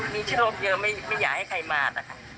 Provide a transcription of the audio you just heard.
มีโชคเยอะไม่อยากให้ใครมานะคะ